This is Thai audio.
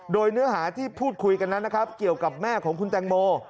โดยเนื้อหาที่พูดคุยกันนั้นนะครับเกี่ยวกับแม่ของคุณแตงโม